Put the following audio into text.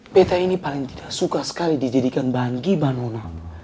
betah ini paling tidak suka sekali dijadikan bahan giba nona